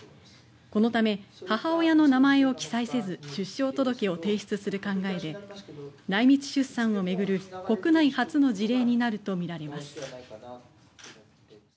このため母親の名前を記載せず出生届を提出する考えで内密出産を巡る国内初の事例になるとみられます。